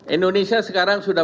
indonesia sekarang sudah